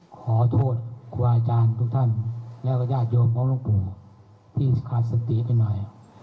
ขอโทษครูอาจารย์ทุกท่านแล้วก็ญาติโยมของทุกกลุ่มที่ขาดสติไปหน่อย